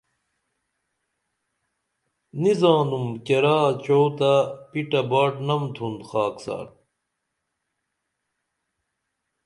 نی زانُم کیرا چوع تہ پِٹہ باٹنم تُھن خاکسار